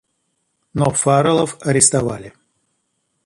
Но Фаррелов арестовали.